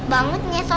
di kota luar biasa